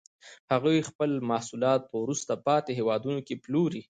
هغوی خپل محصولات په وروسته پاتې هېوادونو کې پلوري